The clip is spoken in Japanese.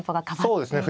そうですね。